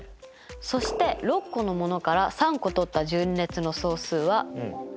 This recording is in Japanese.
そして６個のものから３個とった順列の総数は。